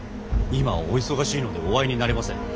今はお忙しいのでお会いになれません。